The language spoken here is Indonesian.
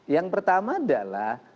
yang pertama adalah